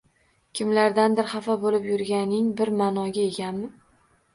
Kimlardandir xafa boʻlib yurganing bir maʼnoga egami?